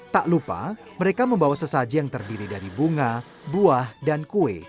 tak lupa mereka membawa sesaji yang terdiri dari bunga buah dan kue